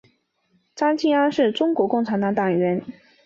张敬安是中国共产党党员。